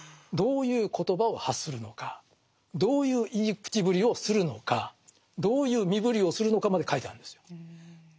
どういう言葉を発するのかどういう言い口ぶりをするのかどういう身振りをするのかまで書いてあるんですよ。